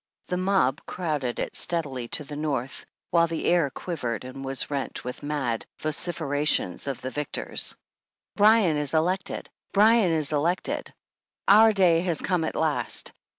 The mob crowded it steadily to the north, while the air quivered and was rent with mad vociferations of the victors : Bryan is elected ! Bryan is elected [ Our day has come at last.